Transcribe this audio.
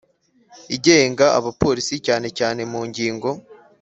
Igenga abapolisi cyane cyane mu ngingo